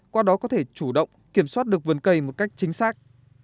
qua đó có thể chủ động kiểm soát được vườn cây một cách chính xác